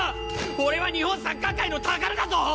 俺は日本サッカー界の宝だぞ！！